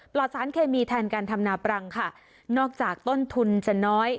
สารเคมีแทนการทำนาปรังค่ะนอกจากต้นทุนจะน้อย